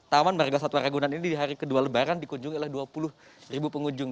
taman warga suat raya ragunan ini di hari kedua lebaran dikunjungi dua puluh ribu pengunjung